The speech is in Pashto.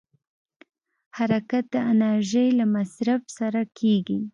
حرکت د انرژۍ له مصرف سره کېږي.